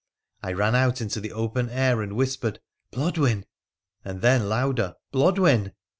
I ran out into the open air and whispered ' Blodwen !' and then louder ' Blodwen